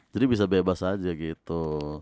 jadi bisa bebas aja gitu